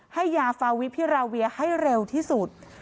ให้ยาฟาวิพิราเวียให้เร็วที่สุด